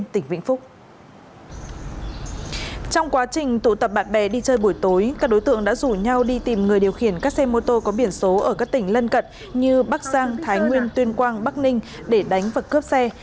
trong quá trình tụ tập bạn bè đi chơi buổi tối các đối tượng đã rủ nhau đi tìm người điều khiển các xe mô tô có biển số ở các tỉnh lân cận như bắc giang thái nguyên tuyên quang bắc ninh để đánh và cướp xe